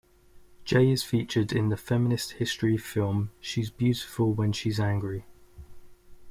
Jay is featured in the feminist history film "She's Beautiful When She's Angry".